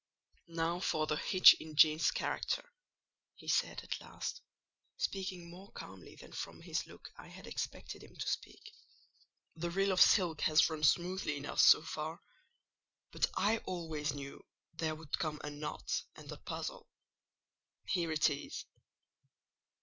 "Now for the hitch in Jane's character," he said at last, speaking more calmly than from his look I had expected him to speak. "The reel of silk has run smoothly enough so far; but I always knew there would come a knot and a puzzle: here it is.